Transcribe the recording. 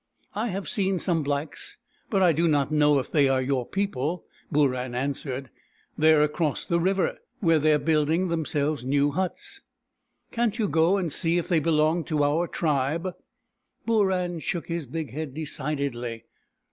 " I have seen some blacks, but I do not know if they are your people," Booran answered. " They are across the river, where they are building them selves new huts." BOORAN, THE PELICAN 93 " Can't you go and see if they belong to our tribe? " Booran shook his big head decidedly.